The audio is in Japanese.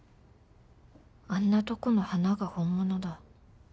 あんなとこの花が本物だ